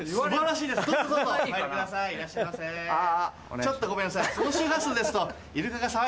ちょっとごめんなさい。